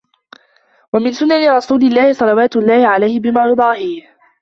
وَمِنْ سُنَنِ رَسُولِ اللَّهِ صَلَوَاتُ اللَّهِ عَلَيْهِ بِمَا يُضَاهِيهِ